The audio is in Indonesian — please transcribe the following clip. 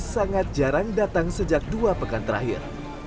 sangat jarang datang sejak dua pekan terakhir